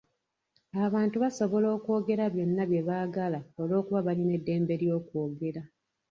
Abantu basobola okwogera byonna bye baagala olw'okuba balina eddembe ly'okwogera.